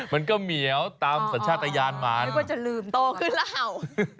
มันก็เหมียวตามสัญชาตญาณมาไม่ว่าจะลืมโตขึ้นแล้ว